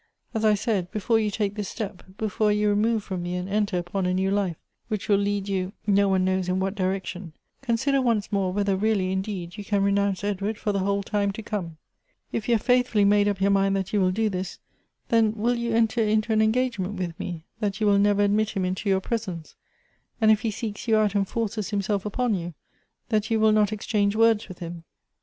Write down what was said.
As I said, before you take this step, before you remove from me, and enter upon a new life, which will lead you no Elective Affinities. 295 one knows in what direction, consider once inoi e whether really, indeed, you can renounce Edward for the whole time to come. If you have faithfully made up your mind that you will do this, then will you enter into an engagement with me, that you will never admit him into your presence ; and if he seeks you out and forces him self upon you, that you will not exchange words with liim